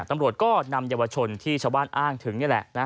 ตำรวจก็นำเยาวชนที่ชาวบ้านอ้างถึงนี่แหละ